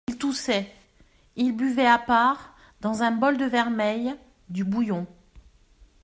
Il toussait ; il buvait à part, dans un bol de vermeil, du bouillon.